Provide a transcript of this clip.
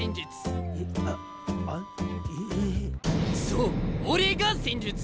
そう俺が戦術！